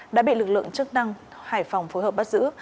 đã bị lực lượng chức năng hải phòng phối hợp bắt giữ